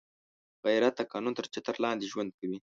غیرت د قانون تر چتر لاندې ژوند کوي